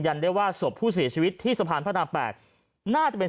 ันได้ว่าศพผู้เสียชีวิตที่สะพานพระราม๘น่าจะเป็น